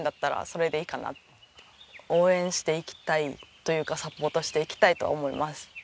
応援していきたいというかサポートしていきたいと思います。